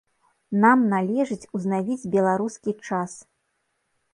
Нам належыць узнавіць беларускі час.